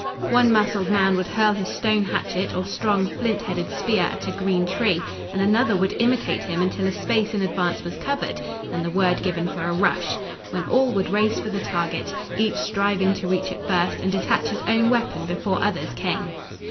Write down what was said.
One muscled man would hurl his stone hatchet or strong flint headed spear at a green tree and another would imitate him until a space in advance was covered and the word given for a rush, when all would race for the target, each striving to reach it first and detach his own weapon before others came.